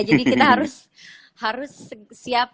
jadi kita harus siap